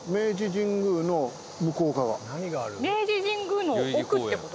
明治神宮の奥ってこと？